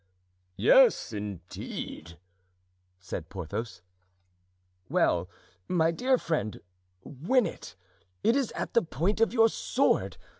"Yes indeed," said Porthos. "Well, my dear friend, win it—it is at the point of your sword.